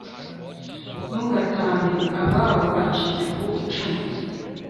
ntugatange abawo bacitse ku icumu